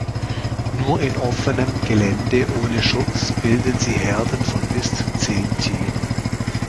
Nur in offenem Gelände ohne Schutz bilden sie Herden von bis zu zehn Tieren.